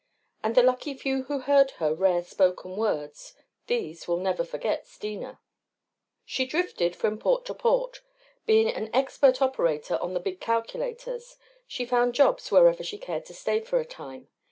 And the lucky few who heard her rare spoken words these will never forget Steena. She drifted from port to port. Being an expert operator on the big calculators she found jobs wherever she cared to stay for a time.